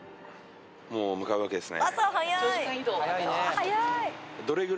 もう向かうわけですね。